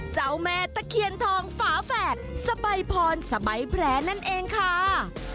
เจ้าแม่ตะเคียนทองฝาแฝดสบายพรสบายแผลนั่นเองค่ะ